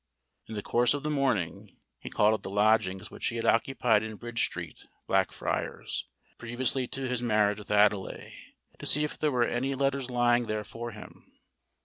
In the course of the morning, he called at the lodgings which he had occupied in Bridge Street, Blackfriars, previously to his marriage with Adelais, to see if there were any letters lying there for him.